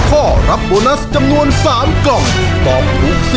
ครอบครัวของแม่ปุ้ยจังหวัดสะแก้วนะครับ